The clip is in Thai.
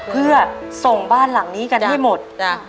เพื่อส่งบ้านหลังนี้กันให้หมด